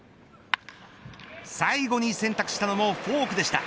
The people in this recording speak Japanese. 最後に選択したのもフォークでした。